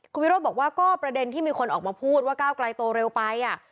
คุณวิโรธบอกว่าก็ประเด็นที่มีคนออกมาพูดว่าก้าวไกลโตเร็วไป